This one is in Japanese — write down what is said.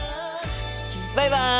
バイバイ！